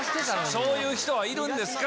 そういう人いるんですか？